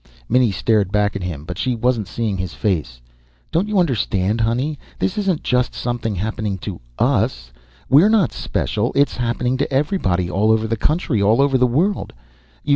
Minnie stared back at him, but she wasn't seeing his face. "Don't you understand, honey? This isn't just something happening to us. We're not special. It's happening to everybody, all over the country, all over the world.